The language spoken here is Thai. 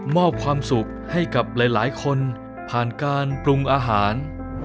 มอบความสุขให้กับหลายคนผ่านการปรุงอาหาร